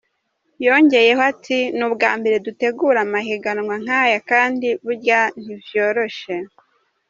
Yongeyeko ati:"Ni ubwa mbere dutegura amahiganwa nk'aya kandi burya ntivyoroshe.